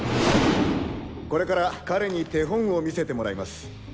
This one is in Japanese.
これから彼に手本を見せてもらいます。